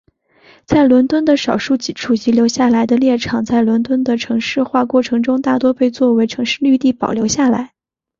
在伦敦的少数几处遗留下来的猎场在伦敦的城市化过程中大多被作为城市绿地保留下来。